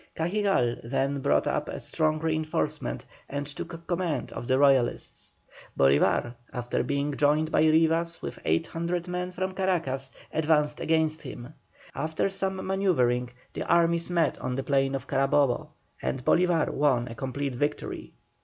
Cajigal then brought up a strong reinforcement and took command of the Royalists. Bolívar, after being joined by Rivas with 800 men from Caracas, advanced against him. After some manœuvring the armies met on the plain of Carabobo, and Bolívar won a complete victory.